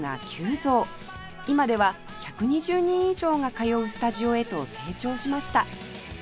今では１２０人以上が通うスタジオへと成長しました